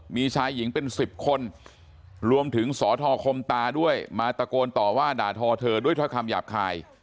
มีชายหญิงเป็น๑๐คนรวมถึงสอทอคมตาด้วยมาตะโกนต่อว่าด่าทอเธอด้วยถ้อยคำหยาบคาย